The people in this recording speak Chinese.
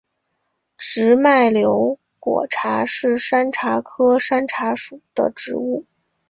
直脉瘤果茶是山茶科山茶属的植物。